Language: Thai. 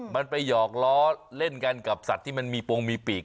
มันไปหยอกล้อเล่นกันกับสัตว์ที่มันมีโปรงมีปีก